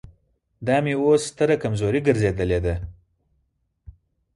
دا مې اوس ستره کمزوري ګرځېدلې ده.